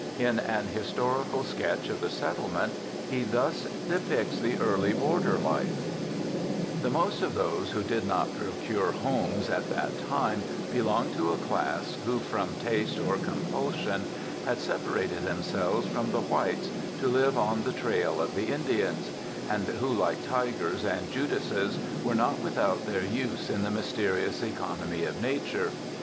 In an historical sketch of the settlement he thus depicts the early border life : 'The most of those who did not procure homes at that time, belonged to a class who, from taste or com f)ulsion, had separated themselves from the whites, to ive on the trail of the Indians; and who, like tigers, and Judases, were not without their use in the mysterious economy of nature.